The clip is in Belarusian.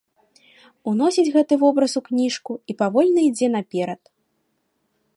Уносіць гэты вобраз у кніжку і павольна ідзе наперад.